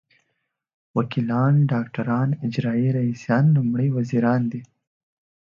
وکیلان ډاکټران اجرايي رییسان لومړي وزیران دي.